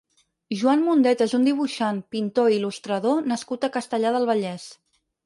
Joan Mundet és un dibuixant, pintor i il·lustrador nascut a Castellar del Vallès.